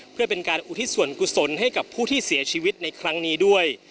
เพื่อเป็นการอุทิศส่วนกุศลให้กับผู้ที่เสียชีวิตในครั้งนี้ด้วย